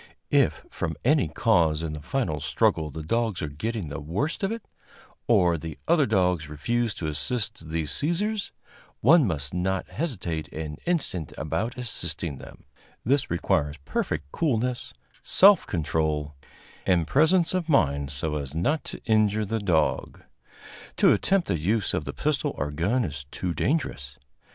If from any cause in the final struggle the dogs are getting the worst of it, or the other dogs refuse to assist the seizers, one must not hesitate an instant about assisting them; this requires perfect coolness, self control and presence of mind, so as not to injure the dog. To attempt the use of the pistol or gun is too dangerous.